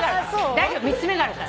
大丈夫３つ目があるから。